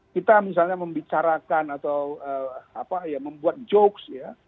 kita misalnya membicarakan atau membuat jokes ya